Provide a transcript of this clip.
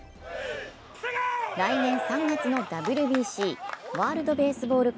来年３月のＷＢＣ＝ワールドベースボール